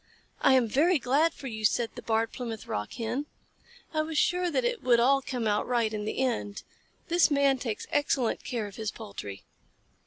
"I am very glad for you," said the Barred Plymouth Rock Hen. "I was sure that it would all come out right in the end. This Man takes excellent care of his poultry."